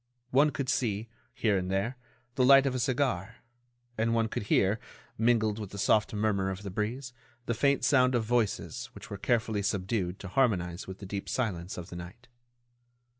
One could see, here and there, the light of a cigar, and one could hear, mingled with the soft murmur of the breeze, the faint sound of voices which were carefully subdued to harmonize with the deep silence of the night.